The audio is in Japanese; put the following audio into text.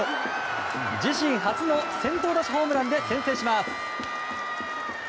自身初の先頭打者ホームランで先制します。